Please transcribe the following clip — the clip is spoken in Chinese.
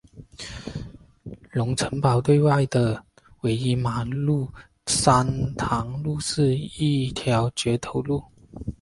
龙成堡对外的唯一马路山塘路是一条掘头路。